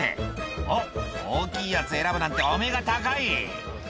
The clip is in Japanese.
「おっ大きいやつ選ぶなんてお目が高い」